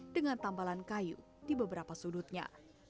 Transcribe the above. dengan tambalan kayu di beberapa sudutnya